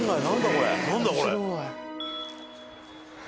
これ。